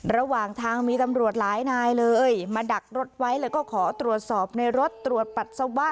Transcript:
ระหว่างทางมีตำรวจหลายนายเลยมาดักรถไว้แล้วก็ขอตรวจสอบในรถตรวจปัสสาวะ